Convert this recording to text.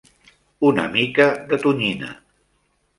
Una mica de tonyina.